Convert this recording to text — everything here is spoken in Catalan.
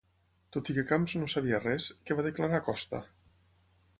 Tot i que Camps no sabia res, què va declarar Costa?